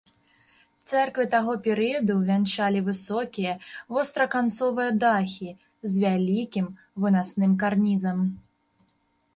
Цэрквы таго перыяду вянчалі высокія востраканцовыя дахі з вялікім вынасным карнізам.